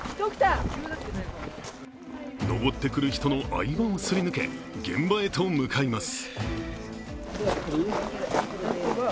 登ってくる人の合間をすり抜け現場へ向かいます。